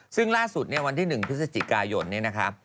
ซึ่งล่าสุดเนี่ยวันที่๑พฤศจิกายนเนี่ยนะครับ